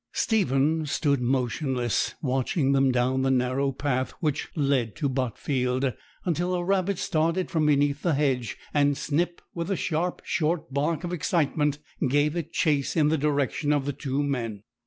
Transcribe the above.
Stephen stood motionless, watching them down the narrow path which led to Botfield, until a rabbit started from beneath the hedge, and Snip, with a sharp, short bark of excitement, gave it chase in the direction of the two men.